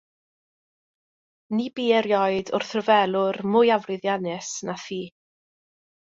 Ni bu erioed wrthryfelwr mwy aflwyddiannus na thi.